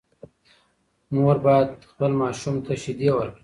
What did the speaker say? مور باید خپل ماشوم ته شیدې ورکړي.